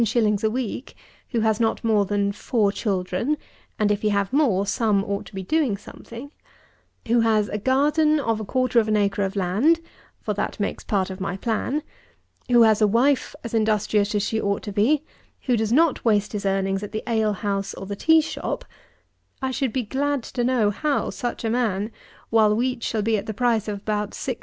_ a week, who has not more than four children (and if he have more, some ought to be doing something;) who has a garden of a quarter of an acre of land (for that makes part of my plan;) who has a wife as industrious as she ought to be; who does not waste his earnings at the ale house or the tea shop: I should be glad to know how such a man, while wheat shall be at the price of about 6_s.